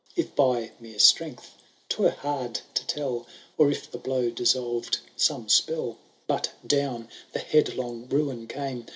If by mere strength, *twere hard to tell, Or if the blow dissol?ed some spell. But down the headlong ruin came.